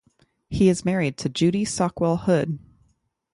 He is married to Judy Sockwell Hood.